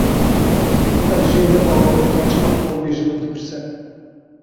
Ez jê nebawerim ka çima Tom wê ji min dipirse.